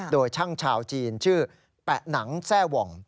โดยช่างชาวจีนชื่อแปะหนังแซ่หว่อง